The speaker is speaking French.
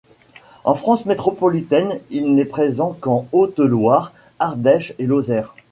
En France métropolitaine il n'est présent qu'en Haute-Loire, Ardèche et Lozère.